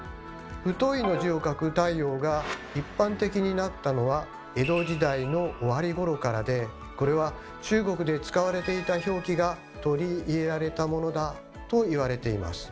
「太」の字を書く太陽が一般的になったのは江戸時代の終わり頃からでこれは中国で使われていた表記が取り入れられたものだといわれています。